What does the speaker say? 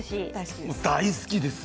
大好きですよ。